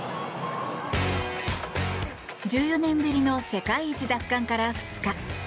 １４年ぶりの世界一奪還から２日。